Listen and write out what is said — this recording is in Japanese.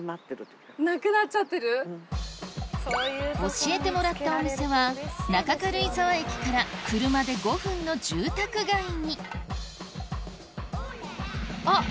教えてもらったお店は中軽井沢駅から車で５分の住宅街にあっ！